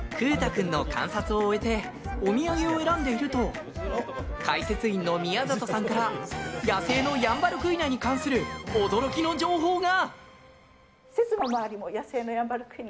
君の観察を終えてお土産を選んでいると解説員の宮里さんから野生のヤンバルクイナに関する驚きの情報が。